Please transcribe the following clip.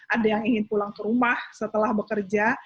ada yang ingin pulang ke rumah setelah bekerja